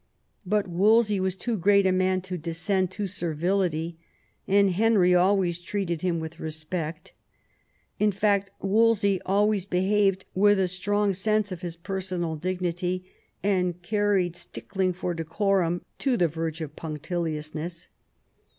But Wolsey was too great a man to descend to servility, and Henry always treated him with respect. In fact Wolsey always behaved with a strong sense of his personal dignity, and carried stickling for decorum to the verge of punctilious ness.